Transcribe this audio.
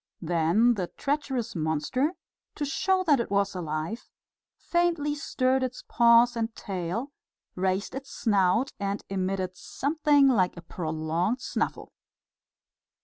Then the treacherous monster, to show that it was alive, faintly stirred its paws and tail, raised its snout and emitted something like a prolonged snuffle.